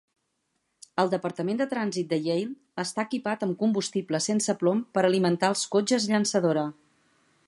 El departament de trànsit de Yale està equipat amb combustible sense plom per alimentar els cotxes llançadora.